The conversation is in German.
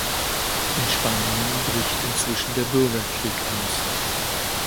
In Spanien bricht inzwischen der Bürgerkrieg aus.